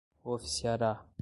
oficiará